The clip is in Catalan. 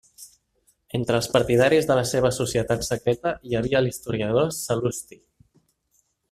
Entre els partidaris de la seva societat secreta, hi havia l'historiador Sal·lusti.